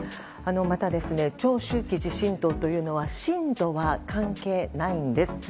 また長周期地震動というのは震度は関係ないんです。